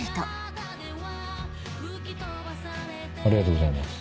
ありがとうございます。